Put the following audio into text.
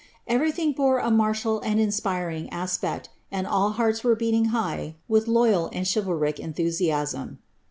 Everything wore a martial and inspiring aspect, and all hearts were beating high wilb loyal and chivalric enthusiasm.